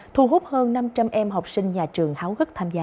thu hút hơn năm trăm linh em học sinh nhà trường háo hức tham gia